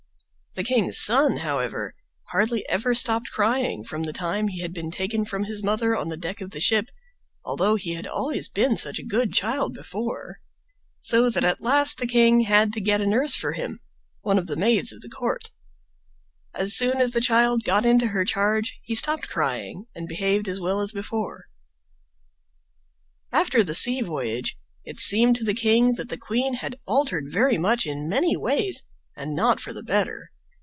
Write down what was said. The king's son, however, hardly ever stopped crying from the time he had been taken from his mother on the deck of the ship, although he had always been such a good child before, so that at last the king had to get a nurse for him—one of the maids of the court. As soon as the child got into her charge he stopped crying and behaved as well as before. After the sea voyage it seemed to the king that the queen had altered very much in many ways, and not for the better.